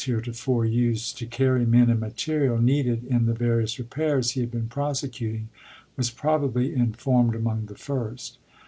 heretofore used to carry men and materials needed in the various repairs he had been prosecuting, was probably informed among the first.